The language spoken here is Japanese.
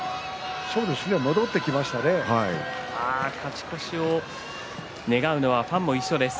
勝ち越しを願うのはファンも一緒です。